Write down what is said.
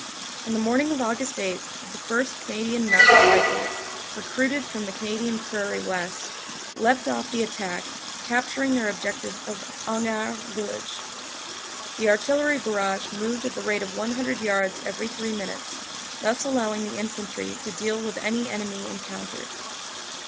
On the morning of Aug. 8 the 1st. C. M. R., recruited from the Canadian prairie west, led off the attack, capturing their objective of Hangard village. The artillery barrage moved at the rate of 100 yards every three minutes, thus allowing the infantry to deal with any enemy encountered.